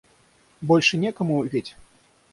Больше некому ведь?